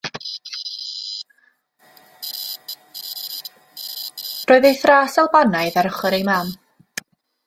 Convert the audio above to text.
Roedd ei thras Albanaidd ar ochr ei mam.